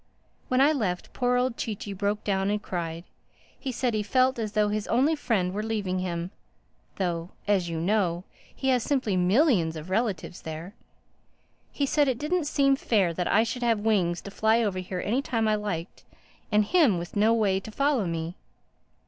When I left, poor old Chee Chee broke down and cried. He said he felt as though his only friend were leaving him—though, as you know, he has simply millions of relatives there. He said it didn't seem fair that I should have wings to fly over here any time I liked, and him with no way to follow me.